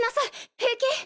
平気？